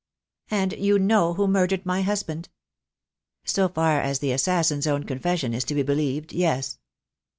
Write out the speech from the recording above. "And you know who murdered my husband?" "So far as the assassin's own confession is to be be lieved, yes."